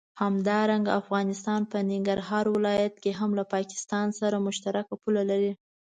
همدارنګه افغانستان په ننګرهار ولايت کې هم له پاکستان سره مشترکه پوله لري.